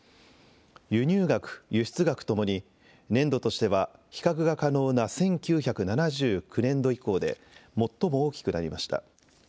輸入額、輸出額ともに年度としては比較が可能な１９７９年度以降で最も大きくなりました。